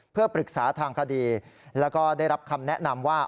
เพื่อปรึกษาทางคดีแล้วก็ได้รับคำแนะนำว่า